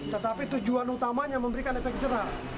tetapi tujuan utamanya memberikan efek jerah